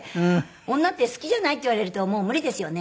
女って「好きじゃない」って言われるともう無理ですよね。